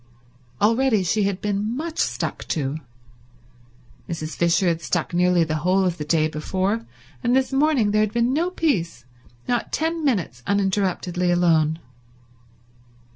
Already she had been much stuck to. Mrs. Fisher had stuck nearly the whole of the day before, and this morning there had been no peace, not ten minutes uninterruptedly alone.